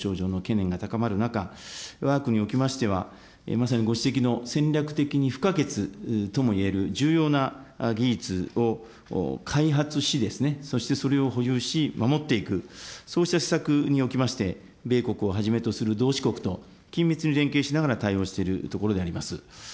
そうした中で、機微技術へのいろんな懸念が高まる中、経済安全保障上の懸念が高まる中、わが国におきましては、まさにご指摘の戦略的に不可欠ともいえる重要な技術を開発し、そしてそれを保有し、守っていく、そうした施策におきまして、米国をはじめとする同志国と緊密に連携しながら対応しているところであります。